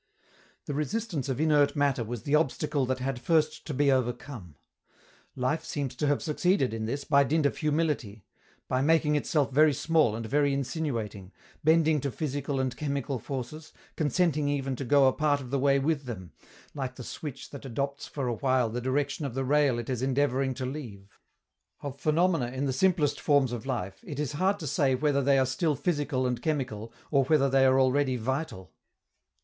The resistance of inert matter was the obstacle that had first to be overcome. Life seems to have succeeded in this by dint of humility, by making itself very small and very insinuating, bending to physical and chemical forces, consenting even to go a part of the way with them, like the switch that adopts for a while the direction of the rail it is endeavoring to leave. Of phenomena in the simplest forms of life, it is hard to say whether they are still physical and chemical or whether they are already vital.